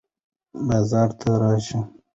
بازار ته راشه.